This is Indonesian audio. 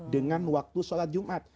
dengan waktu sholat jumat